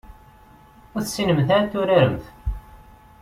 Ur tessinemt ara ad turaremt.